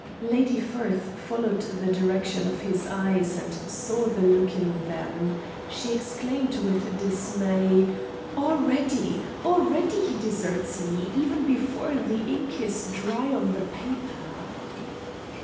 Lady Firth followed the direction of his eyes and saw the look in them. She exclaimed with dismay: "Already! Already he deserts me, even before the ink is dry on the paper."